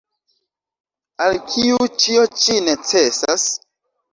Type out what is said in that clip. Al kiu ĉio ĉi necesas?